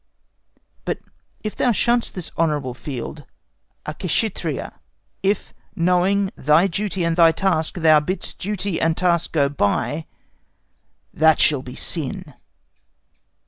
... But if thou shunn'st This honourable field—a Kshittriya— If, knowing thy duty and thy task, thou bidd'st Duty and task go by—that shall be sin!